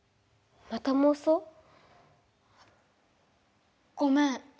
またもうそう？